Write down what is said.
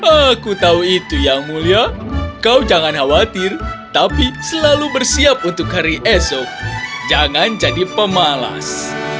aku tahu itu yang mulia kau jangan khawatir tapi selalu bersiap untuk hari esok jangan jadi pemalas